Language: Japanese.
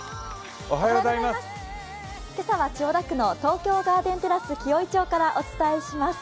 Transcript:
今朝は千代田区の東京ガーデンテラス紀尾井町からお伝えします。